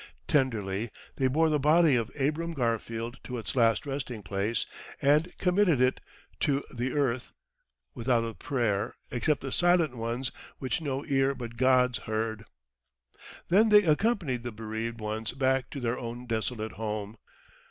Tenderly they bore the body of Abram Garfield to its last resting place and committed it to the earth, without a prayer except the silent ones which no ear but God's heard. Then they accompanied the bereaved ones back to their own desolate home.